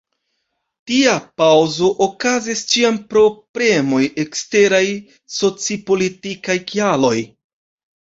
Tia paŭzo okazis ĉiam pro premoj, eksteraj, soci-politikaj kialoj.